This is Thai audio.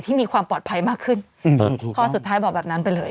ที่มีความปลอดภัยมากขึ้นข้อสุดท้ายบอกแบบนั้นไปเลย